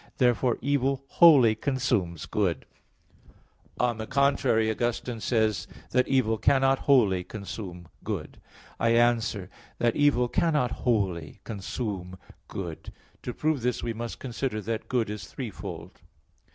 Therefore evil wholly consumes good. On the contrary, Augustine says (Enchiridion 12) that "evil cannot wholly consume good." I answer that, Evil cannot wholly consume good. To prove this we must consider that good is threefold.